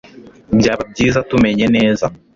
Byaba byiza tumenye neza